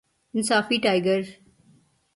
انصافی ٹائگر